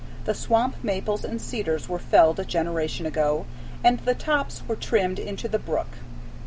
The swamp maples and cedars were felled a generation ago, and the tops were trimmed into the brook.